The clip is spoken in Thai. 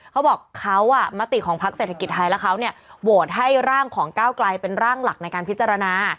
เขาบอกเขามติของพักเศรษฐกิจไทยและเขาเนี่ยโหวตให้ร่างของก้าวไกลเป็นร่างหลักในการพิจารณา